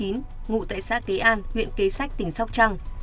ngụ tại xã kế an huyện kế sách tỉnh sóc trăng